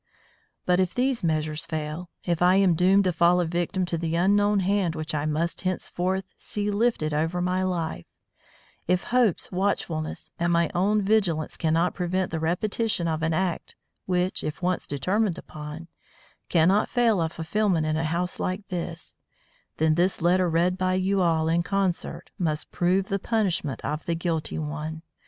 But if these measures fail, if I am doomed to fall a victim to the unknown hand which I must henceforth see lifted over my life, if Hope's watchfulness and my own vigilance cannot prevent the repetition of an act which, if once determined upon, cannot fail of fulfilment in a house like this, then this letter read by you all in concert must prove the punishment of the guilty one.